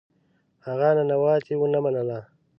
هغه ننواتې ونه منله.